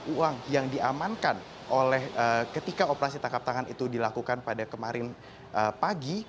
uang yang diamankan oleh ketika operasi tangkap tangan itu dilakukan pada kemarin pagi